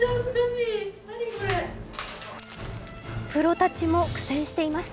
プロたちも苦戦しています。